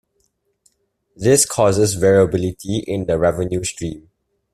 This causes variability in the revenue stream.